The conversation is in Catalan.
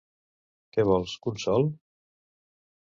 Què vols, Consol?